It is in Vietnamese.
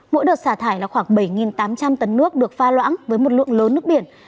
mỗi đợt xả thải là khoảng bảy tám trăm linh tấn nước được pha loãng với một lượng lớn nước biển